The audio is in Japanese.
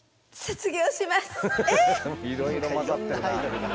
いろいろ混ざってるなあ。